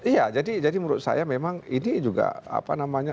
iya jadi menurut saya memang ini juga apa namanya